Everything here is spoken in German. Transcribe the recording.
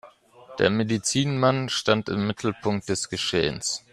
Der Medizinmann stand im Mittelpunkt des Geschehens.